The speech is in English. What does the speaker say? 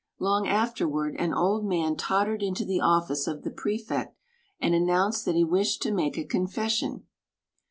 Long afterward an old man tottered into the ofBce of the Prefect and announced that he wished to make a confession.